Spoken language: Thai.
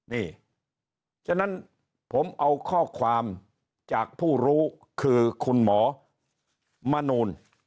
นี่ฉะนั้นผมเอาข้อความจากผู้รู้คือคุณหมอมนูล